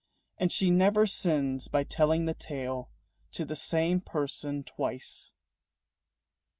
And she never sins by telling the tale To the same person twice.